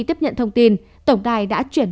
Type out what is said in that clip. tiếp nhận thông tin tổng đài đã chuyển